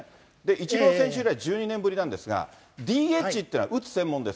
イチロー選手以来１２年ぶりなんですが、ＤＨというのは打つ専門です。